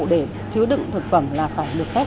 để chứa đựng thực phẩm là phải được phép